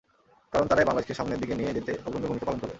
কারণ তারাই বাংলাদেশকে সামনের দিকে নিয়ে যেতে অগ্রণী ভূমিকা পালন করবে।